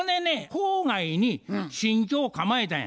郊外に新居を構えたんや。